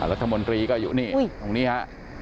อ่าแล้วท่ามนตรีก็อยู่นี่ตรงนี้ฮะ